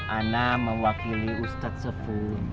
anak mewakili ustadz sebu